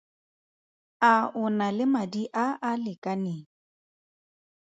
A o na le madi a a lekaneng?